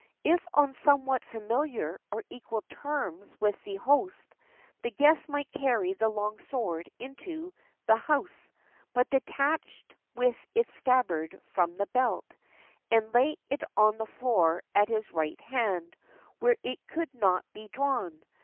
If on somewhat famihar or equal terms with the host, the guest might carry the long sword into the house, but detached with its scabbard from the belt, and lay it on the floor at his right hand, where it could not be drawn.